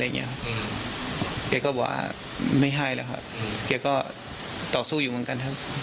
แกก็บอกว่าไม่ให้แล้วครับแกก็ต่อสู้อยู่เหมือนกันครับ